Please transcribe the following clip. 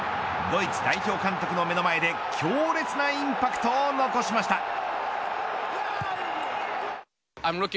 ドイツ代表監督の目の前で強烈なインパクトを残しました。